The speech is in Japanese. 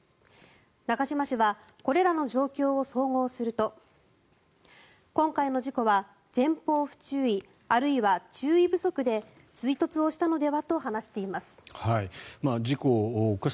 中島氏はこれらの状況を総合すると今回の事故は前方不注意あるいは注意不足で追突をしたのではと話しています。